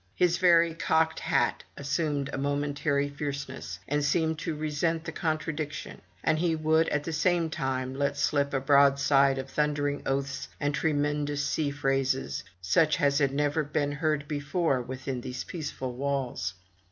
His very cocked hat assumed a momentary fierceness, and seemed to resent the contradiction, and he would at the same time let slip a broadside of thundering oaths and tremendous sea phrases, such as had never been heard before within those peaceful walls.